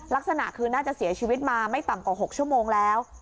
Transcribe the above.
ลักษณะคือน่าจะเสียชีวิตมาไม่ต่ำกว่า๖ชั่วโมงแล้ว